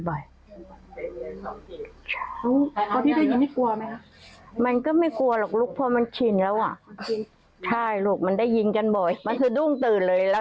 พิการคนเกกตากลอนติดเตียงตกใจไม่ได้นอนไปเลย